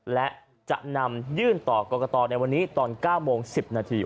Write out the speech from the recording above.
และจะนำยื่นต่อกรกตในวันนี้ตอน๙โมง๑๐นาที